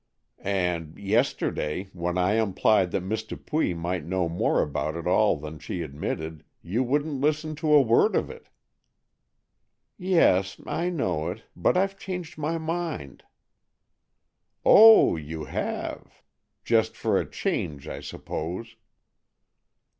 "And yesterday, when I implied that Miss Dupuy might know more about it all than she admitted, you wouldn't listen to a word of it!" "Yes, I know it, but I've changed my mind." "Oh, you have; just for a change, I suppose."